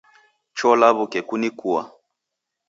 Cho lawuke kunikua